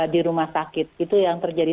di rumah sakit itu yang terjadi